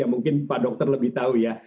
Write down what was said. mungkin pak dokter lebih tahu ya